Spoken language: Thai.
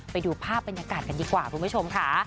ไปดูภาพบรรยากาศกันดีกว่าคุณผู้ชมค่ะ